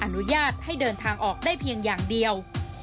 อนุญาตให้เดินทางออกได้เพียงอย่างเดียว